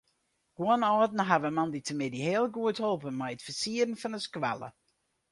Guon âlden hawwe moandeitemiddei heel goed holpen mei it fersieren fan de skoalle.